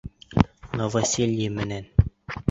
Новоселье менән!